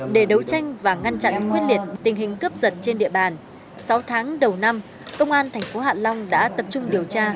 để đấu tranh và ngăn chặn quyết liệt tình hình cướp giật trên địa bàn sáu tháng đầu năm công an thành phố hạ long đã tập trung điều tra